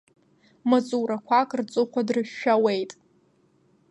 Маҵуарқәак рҵыхәа дрышәшәауеит!